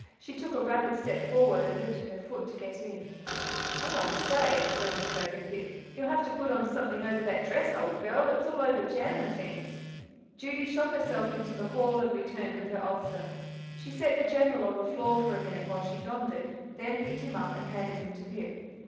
She took a rapid step forward and lifted her foot to get in. "Oh, I say!" remonstrated Pip, "you'll have to put on something over that dress, old girl it's all over jam and things." Judy shot herself into the hall and returned with her ulster; she set the General on the floor for a minute while she donned it, then picked him up and handed him up to Pip.